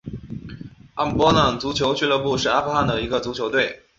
阿姆波浪足球俱乐部是阿富汗的一个足球队。